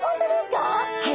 はい。